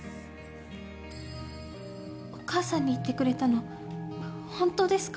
お母さんに言ってくれたの、本当ですか？